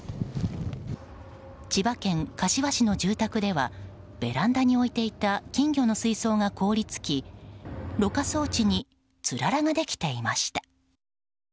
千葉県柏市の住宅ではベランダに置いていた金魚の水槽が凍り付きろ過装置につららができていました。